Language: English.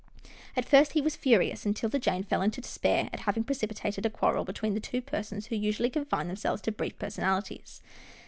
At first, he was furious, and 'Tilda Jane fell into despair at having precipitated a quarrel between the two persons who usually confined themselves to brief personalities.